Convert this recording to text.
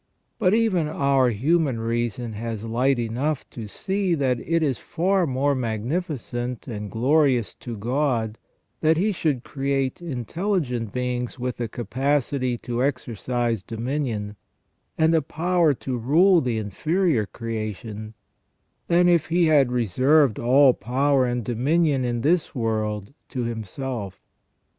But even our human reason has light enough to see that it is far more magnificent and glorious to God that He should create intelligent beings with a capacity to exercise dominion, and a power to rule the inferior creation, than if He had reserved all power and dominion in this world to Himself.